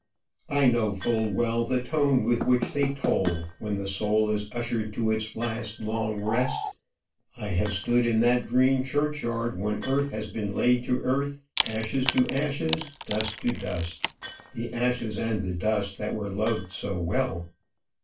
I know full well the tone with which they toll when the soul is ushered to its last long rest. I have stood in that green churchyard when earth has been laid to earth, ashes to ashes, dust to dust the ashes and the dust that were loved so well.